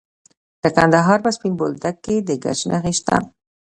د کندهار په سپین بولدک کې د ګچ نښې شته.